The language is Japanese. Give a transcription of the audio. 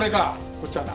こっちはな